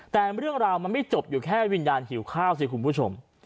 แต่เรื่องราวมันไม่จบอยู่แค่วิญญาณหิวข้าวสิคุณผู้ชม